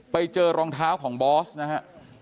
ไปเจอรองเท้าของบอสนะฮะ